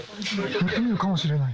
やってみるかもしれない？